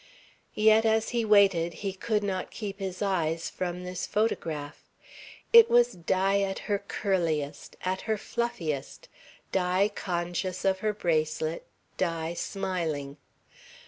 Yet, as he waited, he could not keep his eyes from this photograph. It was Di at her curliest, at her fluffiest, Di conscious of her bracelet, Di smiling.